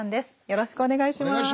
よろしくお願いします。